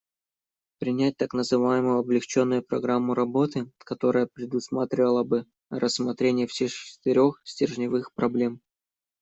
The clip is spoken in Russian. Принять так называемую облегченную программу работы, которая предусматривала бы рассмотрение всех четырех стержневых проблем.